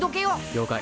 了解。